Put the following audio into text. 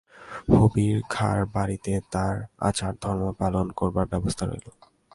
হবির খাঁর বাড়িতে তার আচার ধর্ম পালন করবার ব্যবস্থা রইল।